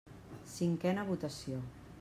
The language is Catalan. Cinquena votació.